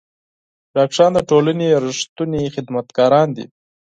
ډاکټران د ټولنې رښتوني خدمتګاران دي.